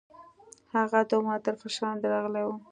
هغه دومره تر فشار لاندې راغلې وه.